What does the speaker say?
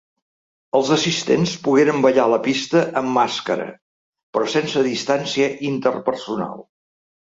Els assistents pogueren ballar a la pista amb màscara, però sense distància interpersonal.